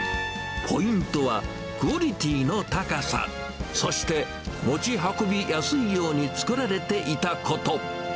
ポイントはクオリティの高さ、そして持ち運びやすいように作られていたこと。